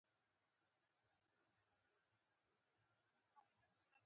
مکاتبه باید د سیندهیا د خاوري له لارې وشي.